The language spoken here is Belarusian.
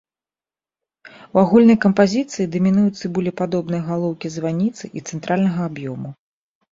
У агульнай кампазіцыі дамінуюць цыбулепадобныя галоўкі званіцы і цэнтральнага аб'ёму.